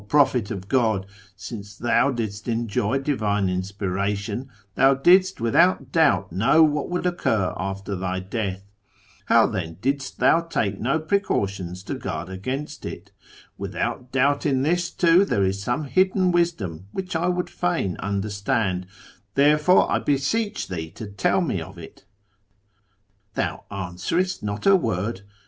0 Prophet of God ! Since thou didst enjoy Divine Inspiration, thou didst without doubt know what would occur after thy death. How, then, didst thou take no precau FROM TEHERAn to ISFAHAN iSi tions to guard against it ? Without doubt, in this, too, there is some hidden wisdom which I would fain understand, there fore I beseech thee to tell me of it. ... Thou answerest not a word